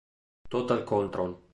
Total Control